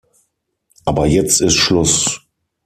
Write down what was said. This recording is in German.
Aber jetzt ist Schluss!